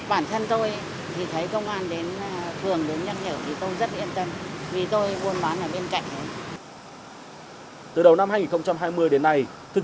bản thân tôi thì thấy công an đến phường luôn nhắc nhở thì tôi rất yên tâm vì tôi buôn bán ở bên cạnh